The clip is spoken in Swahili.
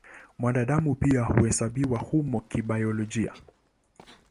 Mwanadamu pia huhesabiwa humo kibiolojia.